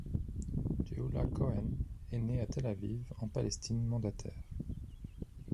Gueoulah Cohen est née à Tel-Aviv en Palestine mandataire.